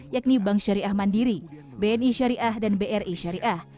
yakni bank syariah mandiri bni syariah dan bri syariah